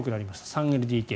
３ＬＤＫ。